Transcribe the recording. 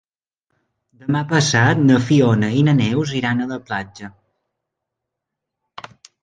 Demà passat na Fiona i na Neus iran a la platja.